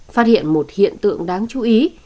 phát hiện một hiện tượng đáng chú ý